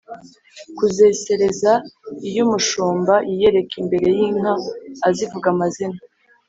kuzesereza: iyo umushumba yiyereka imbere y’inka azivuga amazina